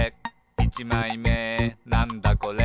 いちまいめなんだこれ？」